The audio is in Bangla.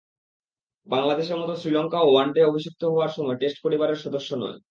বাংলাদেশের মতো শ্রীলঙ্কাও ওয়ানডেতে অভিষিক্ত হওয়ার সময় টেস্ট পরিবারের সদস্য নয়।